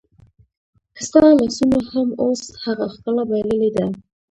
ستا لاسونو هم اوس هغه ښکلا بایللې ده